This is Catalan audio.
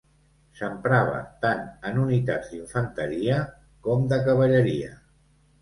S'emprava tant en unitats d'infanteria com de cavalleria.